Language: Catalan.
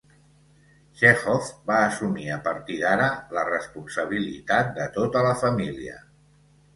Txékhov va assumir a partir d'ara la responsabilitat de tota la família.